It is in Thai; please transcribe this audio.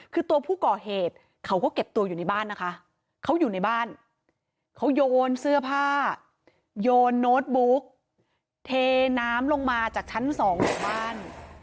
คือตัวผู้ก่อเหตุเขาก็เก็บตัวอยู่ในบ้านนะคะเขาอยู่ในบ้านเขาโยนเสื้อผ้าโยนโน้ตบุ๊กเทน้ำลงมาจากชั้นสองของบ้าน